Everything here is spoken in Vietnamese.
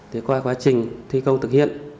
thì qua quá trình thi công thực hiện